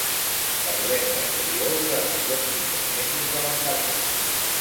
Parlem d'embrió durant els dos primers mesos de l'embaràs.